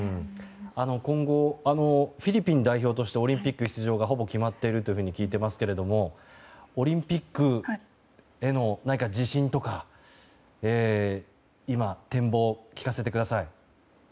今後フィリピン代表としてオリンピック出場がほぼ決まっているというふうに聞いていますけれどもオリンピックへの自信とか今の展望を聞かせてください。